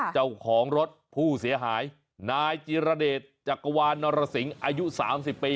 เจ้าของรถผู้เสียหายนายจิรเดชจักรวาลนรสิงอายุ๓๐ปี